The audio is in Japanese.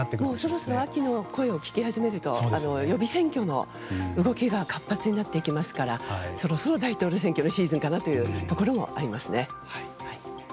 そろそろ秋の声も聞き始めると予備選挙の動きが活発になっていきますからそろそろ大統領選挙のシーズンかなというところもありますね。